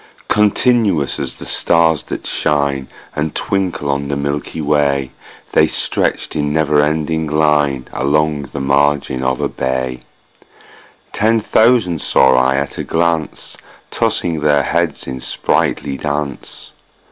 Continuous as the stars that shine And twinkle on the milky way, The stretched in never ending line Along the margin of a bay: Ten thousand saw I at a glance, Tossing their heads in sprightly dance.